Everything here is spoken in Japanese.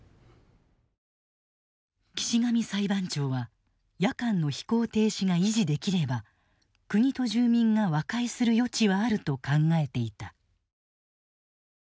岸上裁判長は夜間の飛行停止が維持できれば国と住民が和解する余地はあると考えていた。